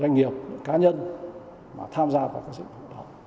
doanh nghiệp những cá nhân mà tham gia vào các dịch vụ đó